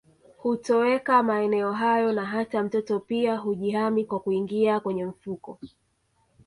Hutoweka maeneo hayo na hata mtoto pia hujihami kwa kuingia katika mfuko